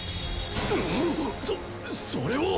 そそれは！